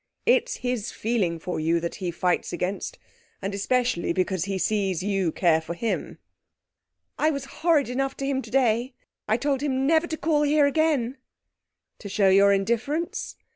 It's his feeling for you that he fights against, and especially because he sees you care for him.' 'I was horrid enough to him today! I told him never to call here again.' 'To show your indifference?'